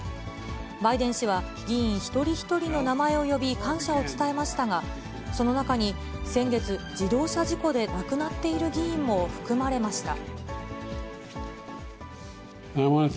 バイデン氏は、議員一人一人の名前を呼び、感謝を伝えましたが、その中に、先月、自動車事故で亡くなっている議員も含まれました。